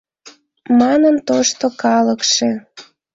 Манын тошто калыкше.